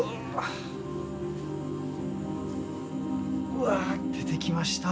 うわ出てきました。